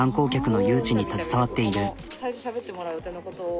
最初しゃべってもらう予定のことを。